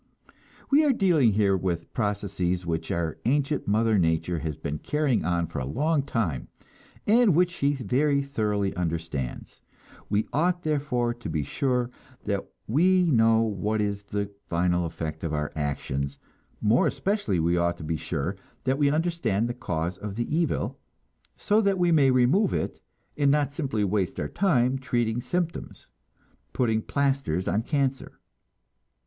We are dealing here with processes which our ancient mother nature has been carrying on for a long time, and which she very thoroughly understands. We ought, therefore, to be sure that we know what is the final effect of our actions; more especially we ought to be sure that we understand the cause of the evil, so that we may remove it, and not simply waste our time treating symptoms, putting plasters on a cancer.